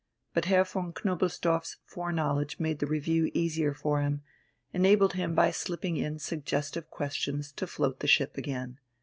But Herr von Knobelsdorff's fore knowledge made the review easier for him, enabled him by slipping in suggestive questions to float the ship again.